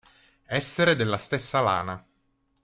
Essere della stessa lana.